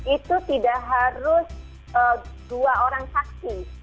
itu tidak harus dua orang saksi